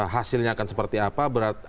hasilnya akan seperti apa